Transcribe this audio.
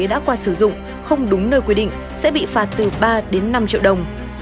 đã qua sử dụng không đúng nơi quy định sẽ bị phạt từ ba đến năm triệu đồng